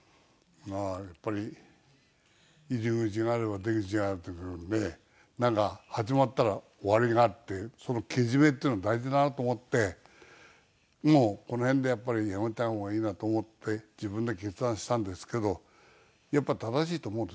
まあやっぱり入り口があれば出口があるっていう事でねなんか始まったら終わりがあってそのけじめっていうのは大事だなと思ってもうこの辺でやっぱりやめた方がいいなと思って自分で決断したんですけどやっぱ正しいと思う。